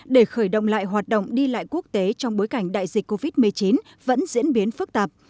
để khởi động lại hoạt động đi lại quốc tế trong bối cảnh đại dịch covid một mươi chín vẫn diễn biến phức tạp